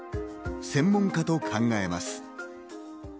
専門家と考えます。